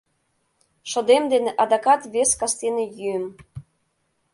Шыдем дене адакат вес кастене йӱым.